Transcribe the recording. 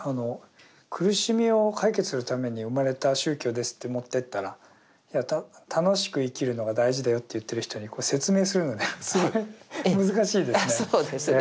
苦しみを解決するために生まれた宗教ですって持ってったら楽しく生きるのが大事だよって言ってる人に説明するのが難しいですね。